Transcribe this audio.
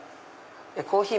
コーヒー